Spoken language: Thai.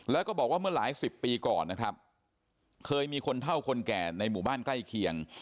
แล้วก็บอกว่าเมื่อหลายสิบปีก่อนนะครับเคยมีคนเท่าคนแก่ในหมู่บ้านใกล้เคียง